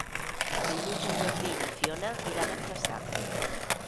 Dilluns en Garbí i na Fiona iran a Flaçà.